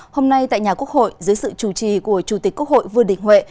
hôm nay tại nhà quốc hội dưới sự chủ trì của chủ tịch quốc hội vương đình huệ